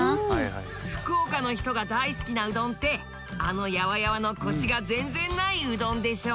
福岡の人が大好きなうどんってあのやわやわのコシが全然ないうどんでしょ？